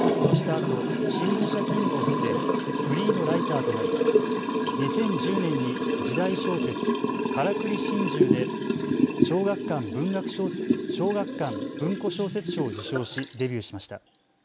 あと新聞社勤務を経てフリーのライターとなり２０１０年に時代小説、絡繰り心中で小学館文庫小説賞を受賞しデビューしました。